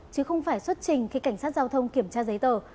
chứ không phải xuất trình khi cảnh sát giao thông kiểm tra giấy tờ